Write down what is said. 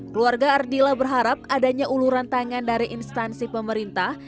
keluarga ardila berharap adanya uluran tangan dari instansi pemerintah